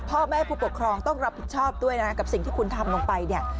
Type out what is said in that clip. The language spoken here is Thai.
พ่อแม่ผู้ปกครองต้องรับผิดชอบด้วยนะกับสิ่งที่คุณทำลงไปเนี่ย